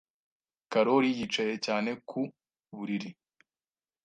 Karoli yicaye cyane ku buriri.